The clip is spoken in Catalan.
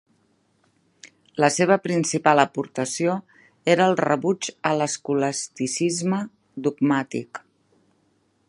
La seva principal aportació era el rebuig a l'escolasticisme dogmàtic.